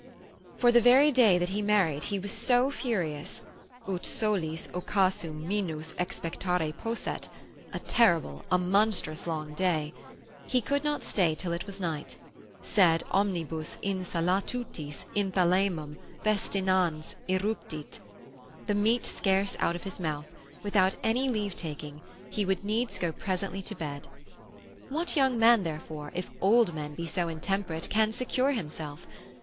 For the very day that he married he was so furious, ut solis occasum minus expectare posset (a terrible, a monstrous long day), he could not stay till it was night, sed omnibus insalutatis in thalamum festinans irrupit, the meat scarce out of his mouth, without any leave taking, he would needs go presently to bed. What young man, therefore, if old men be so intemperate, can secure himself?